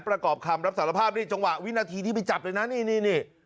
ประกอบคำรับสารภาพนี่จังหวะวินาทีที่ไปจับเลยนะนี่นี่